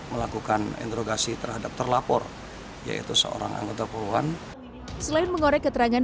melakukan interogasi terhadap terlapor yaitu seorang anggota puluhan selain mengorek keterangan